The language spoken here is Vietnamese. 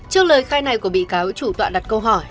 trước lời khai này của bị cáo chủ tọa đặt câu hỏi